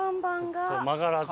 曲がらずに。